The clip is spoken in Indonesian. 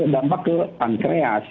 dampak ke pankreas